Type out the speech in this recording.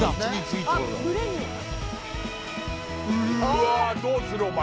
うわどうするお前。